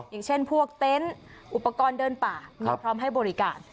อย่างเช่นพวกเต็นต์อุปกรณ์เดินป่ามีพร้อมให้บริการ